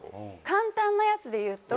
簡単なやつでいうと。